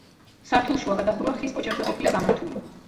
სართულშუა გადახურვა ხის კოჭებზე ყოფილა გამართული.